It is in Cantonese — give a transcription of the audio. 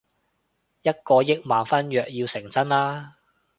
一個億萬婚約要成真喇